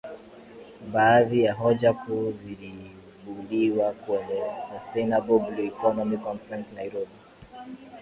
Baadhi ya hoja kuu ziliibuliwa kwenye Sustainable Blue Economy Conference Nairobi